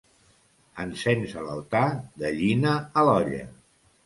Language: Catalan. Encens a l'altar, gallina a l'olla.